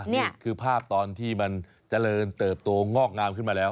นี่คือภาพตอนที่มันเจริญเติบโตงอกงามขึ้นมาแล้ว